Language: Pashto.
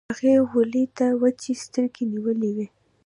هغې غولي ته وچې سترګې نيولې وې.